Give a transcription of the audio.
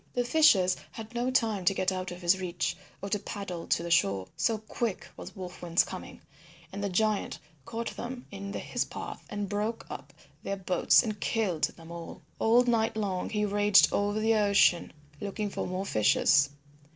The fishers had no time to get out of his reach or to paddle to the shore, so quick was Wolf Wind's coming, and the giant caught them in his path and broke up their boats and killed them all. All night long he raged over the ocean looking for more fishers.